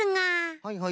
はいはい。